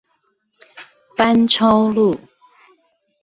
班超路